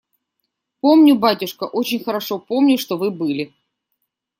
Помню, батюшка, очень хорошо помню, что вы были.